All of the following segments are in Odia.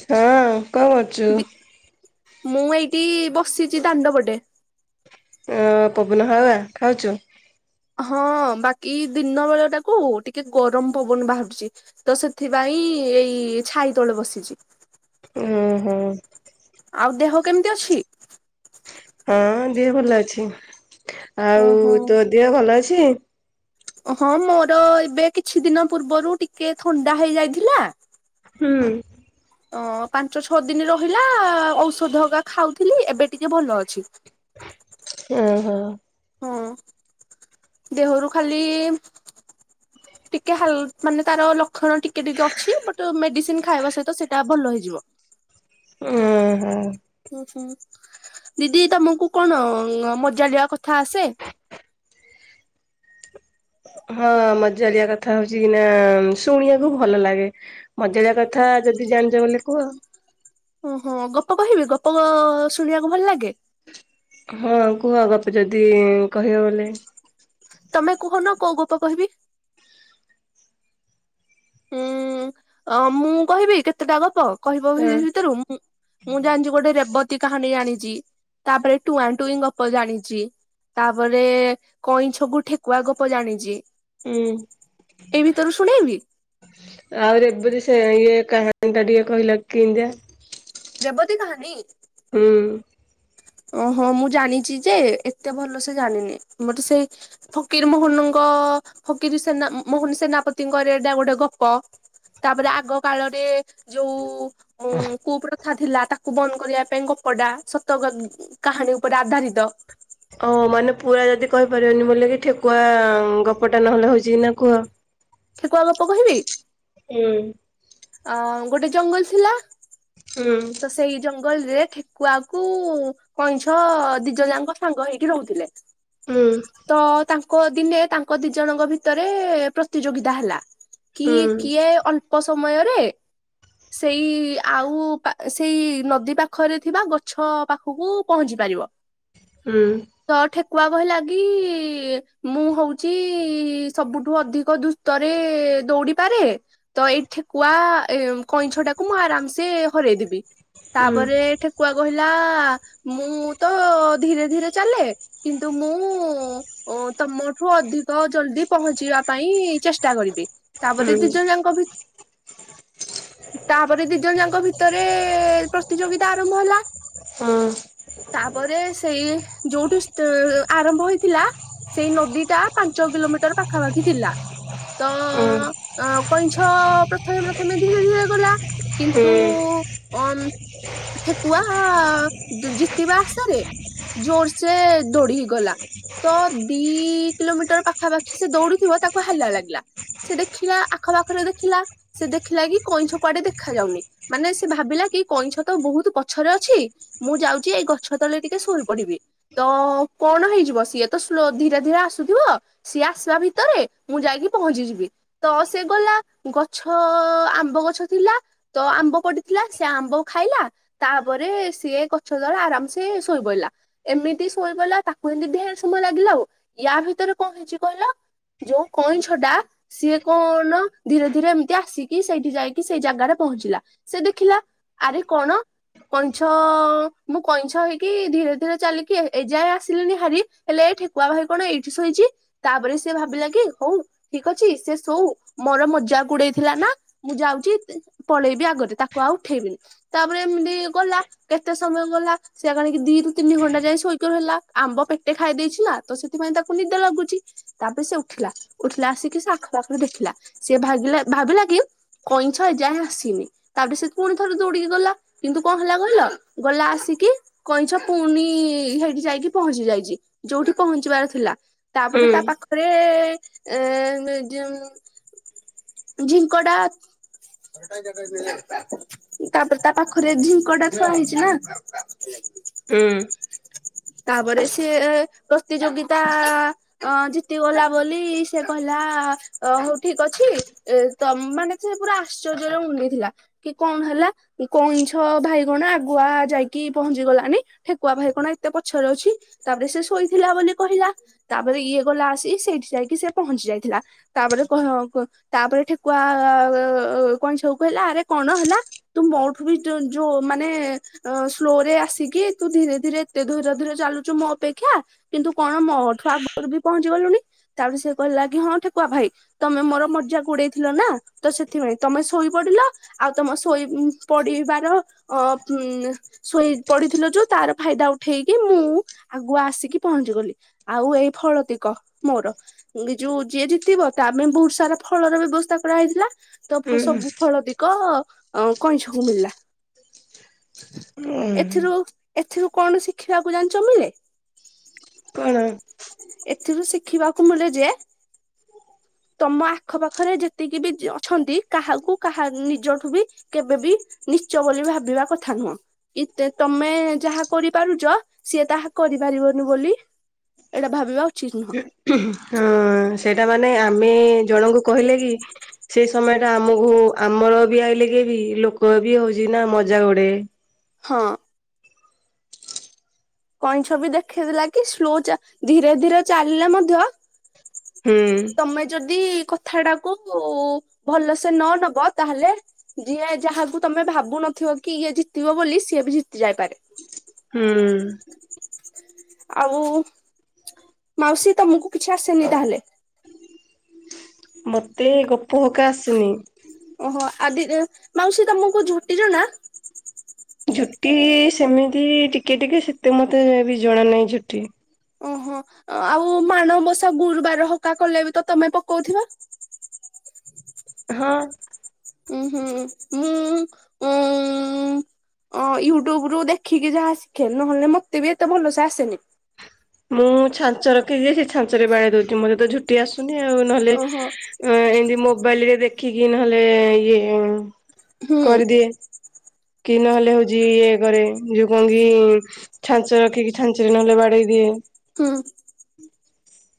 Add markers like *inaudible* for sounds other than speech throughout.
ହଁ କଣ କରଛୁ? ଦି ମୁଁ ଏଇଠି ବସିଛି ଦାଣ୍ଡପଟେ ପବନ ହାୱୱ ଖାଉଛୁ। ହଁ ବାକି ଦିନ ବେଳ ଟାକୁ ଟିକେ ଗରମ ପବନ ବାହାରୁଛି ତ ସେଥିପାଇଁ ଏଇ ଛାଇ ତଳେ ବସିଛି। ଓହୋ ଆଉ ଦେହ କେମିତି ଅଛି। ହଁ ଦିଏ ଭଲ ଅଛି। ଆଉ ଓହୋ। ତୋ ଦେିହ ଭଲ ଅଛି। କିଛ ହଁ ମୋର ଏବେ କିଛି ଦିନ ପୂର୍ବରୁ ଟିକେ ଥଣ୍ଡା ହେଇଯାଇଥିଲା। ହଁ। ଅ ପାଞ୍ଚ ଛଅ ଦିନ ରହିଲା ଔଷଧଗକା ଖାଉଥିଲି ଏବେ ଟିକେ ଭଲ ଅଛି। ହଁ ହଁ। ହଁ ଦେହରୁ ଖାଲି ଟିକୋଲ ମାନେ ତାର ଲକ୍ଷଣ ଟିକେ ଟିକେ ଅଛି ବଟ୍ ମେଡିସିନ ଖାଇବା ସହିତ ସେଇଟା ଭଲ ହେଇଯିବ। ଓହୋ। ହୁଁ ହୁଁ ଦିଦି ତମକୁ କଣ ମଜାଳିଆ କଥା ଆସେ ହଁ ମଜାଳିଆ କଥା ହଉଛି ନା ଶୁଣିବାକୁ ଭଲ ଲାଗେ ମଜାଳିଆ କଥା ଯଦି ଜାଣିଛ ବଲେ କୁହ। ଓହୋ ଗପ କହିବି ଗପ ଶୁଣିବାକୁ ଭଲ ଲାଗେ। ହଁ କୁହ ବାପ ଯଦି କହିବା ବୋଲେ ତ କହିବି। ହୁଁ ମୁଁ କହିବି କେତେଟା ଗପ କହିବ ହଁ ଭିତରୁ ମୁଁ ମୁଁ ଜାଣିଛି ଗୋଟେ ରେବତ କାହାଣୀ ଜାଣିଛି ତାପରେ ଟୁଆ ଟୁ ଗପ ଜାଣିଛି ତାପରେ କଇଁ ଛଗୁ ଠେକୁଆ ଗପ ଜାଣିଛି। ହୁଁ। ଏଇ ବି ତରୁ ଶୁଣେଇବି। ଆହୁ ଏମତି ସେ ଇଏ କାହାଣୀ ଟ ଟିକେ କହିଲ କିଆ ରେବତୀ କାହାଣୀ ହୁଁ। ଓ ହଁ ମୁଁ ଜାଣିଛି ଯେ ଏତେ ଭଲ ସେ ଜାଣିନି ମୋତେ ସେଇ ଫକୀର ମୋହନଙ୍କ ଫକୀର ସେନା ମୋହନ ସେନାପତିଙ୍କର ଏଟା ଗୋଟେ ଗପ ତାପରେ ଆଗ କାଳରେ ଯୋଉ *unintelligible* କ ଥିଲା ତାକୁ ବନ୍ଦ କରିବା ପାଇଁ ଗପଟା ତ ଗ କାହାଣୀ ଉପରେ ଆଧାରିତ। ଓ ମାନେ ପୁରା ଯଦି କହିପାରିବନି ବୋ କି ଠେକୁଆ ଗପଟା ନହେଲେ ହଉଛି କି ନା କୁହ। ଠେକୁଆ ଗପ କହିବି? ହୁଁ। ଅ ଗୋଟେ ଜଙ୍ଗଲ ଥିଲା। ତ ସେଇ ଯ ଜଙ୍ଗଲ ରେ ଠେକୁଆକୁ କଇଁଛ ଦିଜ ଯାଙ୍କ ସାଙ୍ଗ ହେଇକି ରହୁଥିଲେ। ତ ତାଙ୍କ ତାଙ୍କ ଦିନେ ତାଙ୍କ ଦି ଜଣଙ୍କ ଭିତରେ ପ୍ରତିଯୋଗିତା ହେଲା। କି କିଏ ଅଳ୍ପ ଅଳ୍ପ ସମୟରେ ସେଇ ଆଉ ପା ସେଇ ନଦୀ ପାଖରେ ଥିବା ଗଛ ପାଖକୁ ପହଞ୍ଚି ପାରିବ। ହଁ। ତ ଠେକୁଆ କହିଲା କିି ମୁଁ ହଉଛି ସବୁଠୁ ଅଧିକ ଦୃତରେ ଦୌଡ଼ିପାରେ ତ ଏଇ ଠେକୁଆ କଇଁଛ ଟାକୁ ମୁଁ ଆରାମସେ ହରୋଇଦେବି। ବି। ତାପରେ ଠେ କୁଆ କହିଲା ମୁଁ ତ ଧୀରେ ଧୀରେ ଚାଲେ। କିନ୍ତୁ ମୁଁ ତମଠୁ ଅଧିକ ଜଲଦି ପହଞ୍ଚିବା ପାଇଁ ଚେଷ୍ଟା କରିବି। ତାପରେ ଦି ଜଣ ଯାକ ଭି ତାପରେ ଦି ଜଣ ଯାଙ୍କ ଭିତ ରେ ପ୍ରତିଯୋଗିତା ଆରମ୍ଭ ହେଲା। ତାପରେ ସେଇ ଯୋଉଠି ଆରମ୍ଭ ହେଇଥିଲା ସେଇ ନଦୀଟା ପାଞ୍ଚ କିଲୋମିଟର ପାଖାପାଖି ଥିଲା। ତ ଅ କଇଁଛ ପ୍ରଥମେ ପ୍ରଥମେ ଧୀରେ ଧୀରେ ଗଲା କିନ୍ତୁ ଅ ଠେକୁଆ ଜିତିବା ଆଶାରେ ଜୋର ସେ ଦୌଡିଇଗଲା। ତ ଦି କିଲୋମିଟର ପାଖାପାଖି ସେ ଦୌଡିୁଥିବ ତାକୁ ହାଲିଆ ଲାଗିଲା। ସେ ଦେଖିଲା ଆଖପାଖରେ ଦେଖିଲା ସେ ଦେଖିଲା କି କଇଁଛ କୁଆଡେ ଦେଖାଯାଉନି ମାନେ ଭାବିଲା କି କଇଁଛ ତ ବହୁତ ପଛରେ ଅଛି। ମୁଁ ଯାଉଛି ଏଇ ଗଛ ତଳେ ଟିକେ ଶୋଇ ପଡିବି। ତ କଣ ହେଇଯିବ ସିଏ ସ୍ଲୋ ତ ଧୀରେ ଧୀରେ ଆସୁଥିବ ସିଏ ଆସିବା ଭିତରେ ମୁଁ ଯାଇକି ପହଞ୍ଚିଯିବି। ତ ସେ ଗଲା ଗଛ ଆମ୍ବ ଗଛ ଥିଲା ତ ଆମ୍ବ ପ ଥିଲା ସେ ଆମ୍ବ ଖାଇଲା। ତାପରେ ସିଏ ଗଛ ତଳେ ଆରାମ ସେ ଶୋଇ ପଡ଼ିଲା ଏମିତି ଶୋଇ ପଇଲା। ତାକୁ ଏମିତି ଢେର ସମୟ ଲାଗିଲା। ଆଉ ୟା ଭିତରେ କଣ ହେଇଛି କହିଲ ଯୋଉ କଇଁଛ ଟା ସିଏ କଣ ଧୀରେ ଧୀରେ ଏମିତି ଆସିକି ସେଇଠି ଯାଇକି ସେଇ ଜାଗାରେ ପହଞ୍ଚିଲା। ସେ ଦେଖିଲା ଆରେ କଣ କଇଁଛ ମୁଁ କଇଁଛ ହେଇକି ଧୀରେ ଧୀରେ ଚାଲିକି ଏଯାଏ ଆସିଲିଣିି ହାରି। ହେଲେ ଏ ଠେକୁଆ ଭାଇ କଣ ଏଇଠି ଶୋଇଛି। ତାପରେ ସେ ଭାବିଲା କି ହଉ ଠିକ ଅଛି ସେ ଶଉ ମୋର ମଜାକ ଉଡେଇଥିଲା ନା ମୁଁ ଯାଉଛି ପଳେଇବି ଆଗରେ ତାକୁ ଆଉ ଉଠେଇବିନି। ତାପରେ ଏମିତି ଗଲା କେତେ ସମୟ ଗଲା। ସିଏ କଣ ଦିରୁ ତିନି ଘଣ୍ଟା ଯାଏ ସୋଇକି ରହିଲା। ଆମ୍ବ ପେଟେ ଖାଇ ଦେଇଥିଲା ତ ସେଥିପାଇଁ ତାକୁ ନିଦ ଲାଗୁଛି। ତାପରେ ସେ ଉଠିଲା ଉଠିଲା ଆସିକି ସେ ଆଖ ପାଖରେ ଦେଖିଲା ସେ ଭାବିଲା ଭାବିଲା କି କଇଁଛ ଏ ଯାଏ ଆସିନି। ତାପରେ ସେ ପୁଣି ଥରେ ଦୌଡିକି ଗଲା। କିନ୍ତୁ କଣ ହେଲା କହିଲ ଗଲା ଆସିକି କଇଁଛ ପୁଣି ହେଇଠି ଯାଇକି ପହଞ୍ଚି ଯାଇଛି। ଯୋଉଠି ପହଞ୍ଚିବାର ଥିଲା। ତାପରେ ତା ପାଖରେ ଏ ଯେଉଁ ଝିଙ୍କଟା ତାପରେ ତା ପାଖରେ ଝିଙ୍କ ଟା ଥୁଆ ହେଇଛି ନା। ହୁଁ। ତାପରେ ସିଏ ଏ ପ୍ରତିଯୋଗିତା ଜିତିଗଲା ବୋଲି। ସେ କହିଲା ହଉ ଠିକ ଅଛି ଅ ତ ମାନେ ସେ ପୁରା ଆଶ୍ଚର୍ଯ୍ୟରେ ଉଣ୍ଡି ଥିଲା। କି କଣ ହେଲା କଇଁଛ ଭାଇ କଣ ଆଗୁଆ ଯାଇକି ପହଞ୍ଚି ଗଲାନି ଠେକୁଆ ଭାଇ କଣ ଏତେ ପଛରେ ଅଛି। ତାପରେ ସେ ଶୋଇଥିଲା ବୋଲି କହିଲା। ତାପରେ ଇଏ ଗଲା ଆସି ସେଇଠି ଯାଇକି ସେ ପହଞ୍ଚି ଯାଇଥିଲା। ତାପରେ କହ କ ତାପରେ ଠେକୁଆ ଅ ଅ କଇଁଛକୁ କହିଲା ଆରେ କଣ ହେଲା ତୁ ମୋଠୁ ବି ଯୋ ଯୋଉ ମାନେ ସ୍ଲୋ ରେ ଆସିକି। ତୁ ଧୀରେ ଧୀରେ ଏତେ ଧୀରେ ଧୀରେ ଚାଲୁଛୁ ମୋ ଅପେକ୍ଷା କିନ୍ତୁ କଣ ମୋଠୁ ଆଗରୁ ବି ପହଞ୍ଚି ଗଲୁଣି। ତାପରେ ସେ କହିଲା କି ହଁ ଠେକୁଆ ଭାଇ ତମେ ମୋର ମଜାକ୍ ଉଡେଇଥିଲ ନା ତ ସେଥିପାଇଁ ତମେ ଶୋଇପଡିଲ ଆଉ ତମ ଶୋଇ ପ ପଡିବାର ଅ ଉ ଶୋଇ ପଡିଥିଲ ଯୋଉ ତାର ଫାଇଦା ଉଠେଇକି ମୁଁ ଆଗୁଆ ଆସିକି ପହଞ୍ଚିଗଲି। ଆଉ ଏଇ ଫଳତିକ ମୋର ଯୋଉ ଯିଏ ଜିତିବ ତା ପାଇଁ ବହୁତ ସାରା ଫଳର ବ୍ୟବସ୍ଥା କରାହେଇଥିଲା। ତ ଫ ସବୁ ଫଳ ବି ତ କଇଁଛକୁ ମିଳିଲା ଏଥିରୁ ଏଥିରୁ କଣ ଶିଖିବାକୁ ଜାଣିଛ ମିଳେ? କଣ ଏଥିରୁ ଶିଖିବାକୁ ମିଳେ ଯେ ତମ ଆଖପାଖରେ ଯେତିକି ବି ଅଛନ୍ତି କାହାକୁ କାହା ନିଜଠୁ ବି କେବେ ବି ନିଚ ବୋଲି ଭାବିବା କଥା ନୁହଁ। କି ତମେ ଯାହା କରିପାରୁଛ ସିଏ ତାହା କରିପାରିବନି। ବୋଲି ଏଇଟା ଭାବିବା ଉଚିତ ନୁହଁ। ହଁ ସେଇଟା ମାନେ ଆମେ ଜଣଙ୍କୁ କହିଲେ କି ସେଇ ସମୟ ଟା ଆମକୁ ଆମର ବି ଆଇଲେ କି ବି ଲୋକ ବି ହଉଛି ନା ମଜାକ୍ ଉଡେଇବେ। ହଁ। କଇଁଛ ବି ଦେଖେଇଦେଲା କି ସ୍ଲୋ ଚା ଧୀରେ ଧୀରେ ଚାଲିଲେ ମଧ୍ୟ ହୁଁ ତମେ ଯଦି କ କଥାଟାକୁ ଉ ଭଲସେ ନ ନବ ତାହେଲେ ଯିଏ ଯାହାକୁ ତମେ ଭାବୁ ନଥିବ କି ଇଏ ଜିତିବ ବୋଲି ସିଏ ବି ଜିତି ଯାଇପାରେ। ହୁଁ ଆଉ ମାଉସୀ ତମକୁ କିଛି ଆସେନି ତାହେଲେ। ମତେ ଗପ ଏକା ଆସେନି। ଓହୋ ଆଦି ମାଉସୀ ତମକୁ ଝୋଟି ଜଣା। ଝୋଟି ସେମିତି ଟିକେ ଟିକେ ସେତେ ମତେ ବି ଜଣା ନାହିଁ ଝୋଟି। ଓହୋ ଆଉ ମାଣବସା ଗୁରୁବାର ହକା କଲେ ବି ତ ତମେ ପକଉଥିବ। ହଁ। ଉଁ ହୁଁ ମୁଁ ଅଁ ୟୁଟ୍ୟୁବ ରୁ ଦେଖିକି ଯାହା ଶିଖେ ନହେଲେ ମତେ ବି ଏତେ ଭଲସେ ଆସେନି। ମୁଁ ଛାଞ୍ଚ ରଖିଚି ସେ ଛାଞ୍ଚରେ ବାଡେଇ ଦଉଚି ମୋତେ ତ ଝୋଟି ଆସୁନି। ନି ଆଉ ନହେଲେ ଓହୋ ଅଁ ଏମତି ମୋବାଇଲ ରେ ଦେଖ ଦେଖିକି ନହେଲେ ଇଏ ହୁଁ କରିଦିଏ। କି ନହେଲେ ହୋଉଚି ଇଏ କରେ ଯୋଉ କଣ କି ଛାଞ୍ଚ ରଖିକି ଛାଞ୍ଚରେ ନହେଲେ ବାଡେଇ ଦିଏ। ହୁଁ।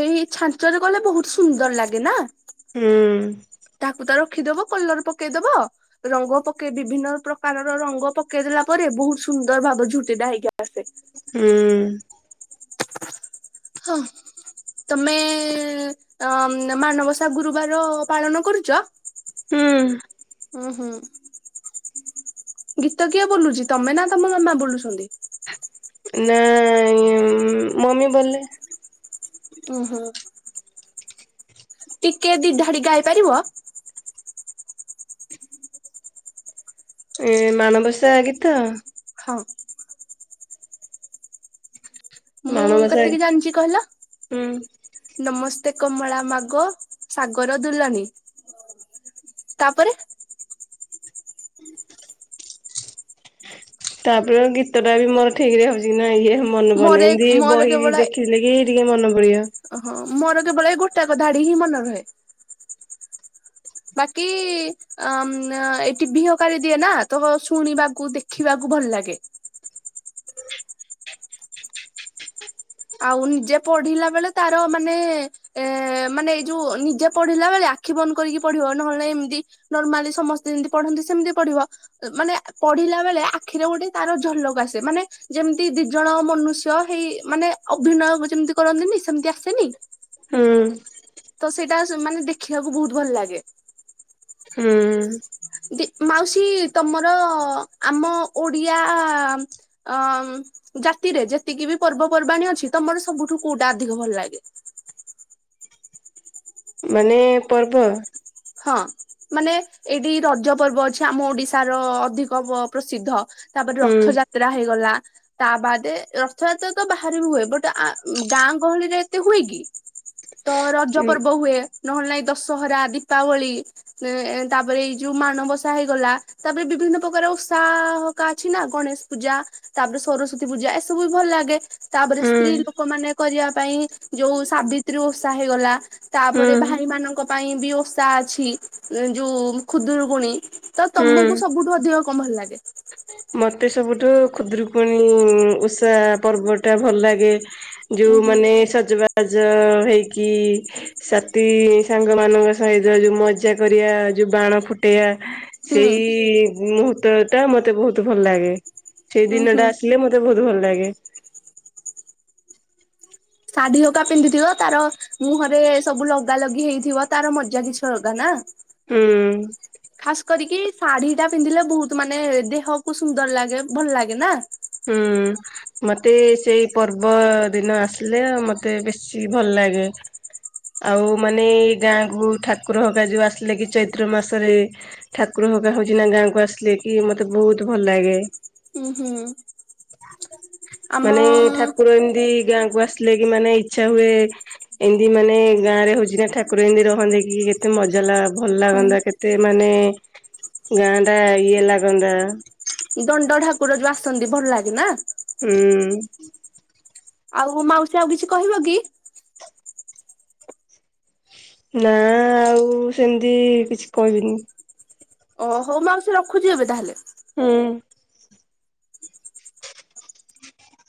ସେଇ ଛାଞ୍ଚରେ କଲେ ବହୁତ ସୁନ୍ଦର ଲାଗେ ନା? ତାକୁ ତ ହୁଁ। ରଖିଦବ କଲର ପକେଇଦବ ରଙ୍ଗ ପକେଇ ବିଭିନ୍ନ ପ୍ରକାରର ରଙ୍ଗ ପକେଇଦଲା ପରେ ବହୁତ ସୁନ୍ଦର ଭାବ ଝୁଟିଟା ହେଇକି ଆସେ। ହୁଁ। ହଁ ତମେ ଅ ଅମ ମାନବସା ଗୁରୁବାର ପାଳନ କରୁଚ? ହୁଁ ଉୁଁ ହୁଁ ଗୀତ କିଏ ବୋଲୁଚି ତମେ ନା ତମ ମାମା ବୋଲୁସନ୍ତି? ନାଇଁ ଉମ ମମି ବୋଲେ। ଓ ହୋ। ଟିକେ ଦି ଧାଡି ଗାଇ ପାରିବ? ଏ ମାଣବସା ଆ ଗୀତ? ହଁ। ମୁଁ ମାଣବସା କେତିକି ଜାଣିଚି କହିଲ? ହୁଁ ନମସ୍ ସ୍ତେ କମଳା ମାଗୋ ସାଗର ଦୁଲନୀ। ତାପରେ ତାପରେ ଗୀତ ଟା ବି ମୋର ଠିକି ରେ ହୋଉଚି କି ନାଇ ଏ ହେ ମନେ ପଡୁନି ମୋର ଏମିତି ମୋର ବହି କି କେବଳ ଦେଖିଲେ କି ଟିକେ ମନେ ପଡିବ। ହଁ ମୋର କେବଳ ଏ ଗୋଟାକ ଧାଡି ହିଁ ମନେ ରହେ। ବାକି ଅମ୍ ଏଠି ବିହକାରୀ ଦିଏ ନା ତ ଶୁଣିବାକୁ ଦେଖିବାକୁ ଭଲ ଲାଗେ। ଆଉ ନିଜେ ପଢିଲା ବେଳେ ତାର ମାନେ ଏ ମାନେ ଏଇ ଯୋଉ ନିଜେ ପଢିଲା ବେଳେ ଆଖି ବନ୍ଦ କରିକି ପଢିବ ନହେଲେ ନାହିଁ ଏମିତି ନର୍ମାଲି ସମସ୍ତେ ଯେମତି ପଢନ୍ତି ସେମତି ପଢିବ ମାନେ ପଢିଲା ବେଳେ ଆଖିରେ ଗୋଟେ ତାର ଝଲକ ଆସେ ମାନେ ଯେମିତି ଦି ଜଣ ମନୁଷ୍ୟ ହେଇମାନେ ମାନେ ଅଭିନୟ ଯେମିତି କରନ୍ତିନି ସେମତି ଆସେନି ହୁଁ ତ ସେଇଟା ସ ମାନେ ଦେଖିବାକୁ ବୋହୁତ ଭଲ ଲାଗେ। ହୁଁ ଯେ ମାଉସୀ ତମର ଆମ ଓଡିଆ ଅ ଅମ୍ ଜାତିରେ ଯେତିକି ବି ପର୍ବପର୍ବାଣୀ ଅଛି ତମର ସବୁଠୁ କୋଉଟା ଅଧିକ ଭଲ ଲାଗେ? ମାନେ ପର୍ବ? ହଁ ମାନେ ଏଇଠି ରଜ ପର୍ବ ଅଛି ଆମ ଓଡିଶାର ଅଧିକ ପ ପ୍ରସିଦ୍ଧ। ତାପରେ ହୁଁ ରଥ ଯାତ୍ରା ହେଇଗଲା। ତା ବାଦେ ରଥଯାତ୍ରା ତ ବାହାରେବି ହୁଏ। ବାଟ୍ ଆ ଗାଁ ଗହଳିରେ ଏତେ ହୁଏ କି? ତ ରଜ ହୁଁ ପର୍ବ ହୁଏ। ନ ହେଲେ ନାଇଁ ଦଶହରା ଆଦି ଦୀପାବଳି ଏ ତାପରେ ଏଇ ଯୋଉ ମାଣବସା ହେଇଗଲା। ତାପରେ ବିଭିନ୍ନ ପ୍ରକାର ଓଷା ହକା ଅଛି ନା ଗଣେଶ ପୂଜା ତାପରେ ସରସ୍ଵତୀ ପୂଜା ଏସବୁ ବି ଭଲ ଲାଗେ ତାପରେ ହୁଁ ସ୍ତ୍ରୀ ଲୋକ ମାନେ କରିବା ପାଇଁ ଯୋଉ ସାବିତ୍ରୀ ଓଷା ହେଇଗଲା। ତାପରେ ହୁଁ ଭାଇମାନାନଙ୍କ ପାଇଁ ବି ଓ ତା ଅଛି ଯୋଉ ଖୁଦରୁକୁଣି ତ ତମକୁ ସବୁଠୁ ଅଧିକ, କଣ ଭଲ ଲାଗେ? ମୋତେ ସବୁଠୁ ଖୁଦରୁକୁଣୀ ଉଷା ପର୍ବଟା ଭଲ ଲାଗେ। ଉଁ ଯୋଉ ହୁଁ। ମାନେ ସଜବାଜ ଯୋଉ ହେଇକି ସାଥି ସାଙ୍ଗ ମାନଙ୍କ ସହିତ ଯୋଉ ମଜା କରିବା ଯୋଉ ବାଣ ଫୁଟେଇବା ହୁଁ ସେଇ ମୁହୂର୍ତ୍ତଟା ମୋତେ ବହୁତ ଭଲ ଲାଗେ। ସେଇ ଉଁ ହୁଁ ଦିନଟା ଆସିଲେ ମୋତେ ବହୁତ ଭଲ ଲାଗେ। ଶାଢୀ ହଗା ପିନ୍ଧିଥିବ, ତାର ମୁହଁରେ ସବୁ ଲଗା ଲଗି ହେଇଥିବ, ତାର ମଜା କିଛି ଅଲଗା ନା। ହୁଁ। କି ଶାଢୀ ଟା ପିନ୍ଧିଲେ ବହୁତ ମାନେ ଦେହକୁ ସୁନ୍ଦର ଲାଗେ ଭଲ ଲାଗେ ନା। ହୁଁ ମତେ ସେଇ ପର୍ବ ଦିନ ଆସିଲେ ମତେ ବେଶୀ ଭଲ ଲାଗେ, ଆଉ ମାନେ ଗାଁ କ ଠାକୁର ହକା ଯୋଉ ଆସିଲେ କି ଚୈତ୍ର ମାସରେ ଠାକୁର ହକା ହଉଛି ନା ଗାଁ କ ଆସିଲେ କି ମତେ ବହୁତ ଭଲ ଲାଗେ। ଉଁ ହୁଁ। *inaudible* ଆମ ମାନେ ଠାକୁର ଏମତି ଗାଁ। କୁ ଆସିଲେ କି ମାନେ ଇ୍ଛା ହୁଏ ଏମିତି ମାନେ ଗାଁରେ ହଉଛି ନା ଠାକୁର ଏମିତି ରହନ୍ତି କି କେତେ ମଜା ଲାଗ। ଭଲ ଲାଗନ୍ତା କେତେ ମାନେ ଗାଁ ଟା ଇଏ ଲାଗନ୍ତା। ଦଣ୍ଡ ଠାକୁର ଯୋଉ ଆସନ୍ତି ଭଲ ଲାଗେ ନା। ହୁଁ। ଆଉ ମାଉସୀ ଆଉ କିଛି କହିବ କି? ନା ଆଉ ସେମିତି କିଛି କହିବିନି। ଓ ହଉ ମାଉସି ରଖୁଛି ଏବେ ତାହେଲେ। ହୁଁ।